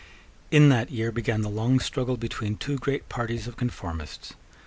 In that year began the long struggle between two great parties of conformists.